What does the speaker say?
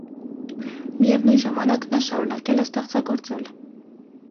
Միևնույն ժամանակ նա շարունակել է ստեղծագործել։